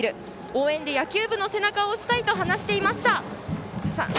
応援で野球部の背中を押したいと話していました。